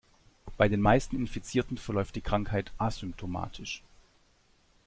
Bei den meisten Infizierten verläuft die Krankheit asymptomatisch.